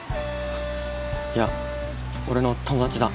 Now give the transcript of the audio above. いや俺の友達だ。